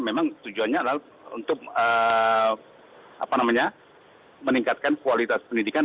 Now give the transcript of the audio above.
memang tujuannya adalah untuk meningkatkan kualitas pendidikan